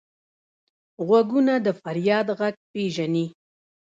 غوږونه د فریاد غږ پېژني